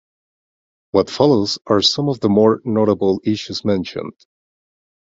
What follows are some of the more notable issues mentioned.